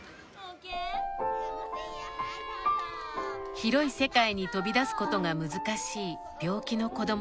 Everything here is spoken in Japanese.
広い世界に飛び出すことが難しい病気の子どもたち。